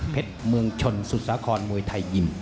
เพชรเมืองชนสุศครมวยไทยยิ่ม